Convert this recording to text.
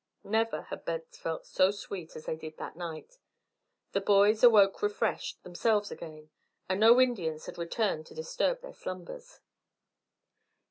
Never had beds felt so sweet as they did that night. The boys awoke refreshed, themselves again; and no Indians had returned to disturb their slumbers.